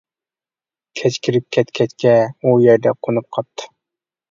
كەچ كىرىپ كەتكەچكە، ئۇ يەردە قونۇپ قاپتۇ.